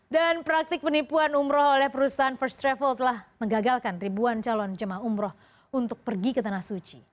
dan praktik penipuan umroh oleh perusahaan first travel telah mengagalkan ribuan calon jemaah umroh untuk pergi ke tanah suci